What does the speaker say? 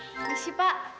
ini sih pak